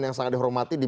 yang sangat dihormati di